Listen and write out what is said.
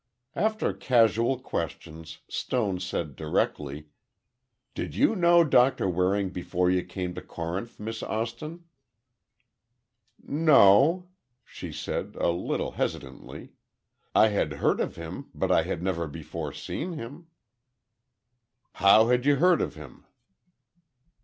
After casual questions, Stone said directly, "Did you know Doctor Waring before you came to Corinth, Miss Austin?" "No," she said, a little hesitantly; "I had heard of him, but I had never before seen him." "How had you heard of him?"